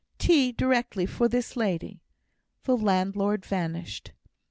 "Tea, directly, for this lady!" The landlord vanished.